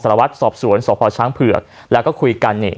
สารวัตรสอบสวนสอบพอร์ช้างเผือกแล้วก็คุยกันเนี่ย